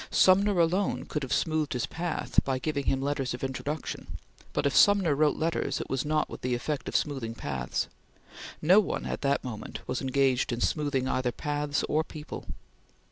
Sumner alone could have smoothed his path by giving him letters of introduction, but if Sumner wrote letters, it was not with the effect of smoothing paths. No one, at that moment, was engaged in smoothing either paths or people.